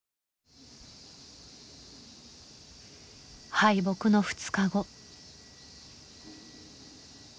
敗北の２日後。